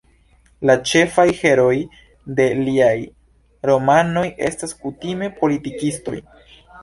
La ĉefaj herooj de liaj romanoj estas kutime politikistoj.